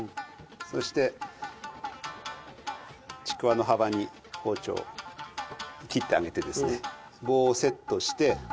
そしてちくわの幅に包丁を切ってあげてですね棒をセットして。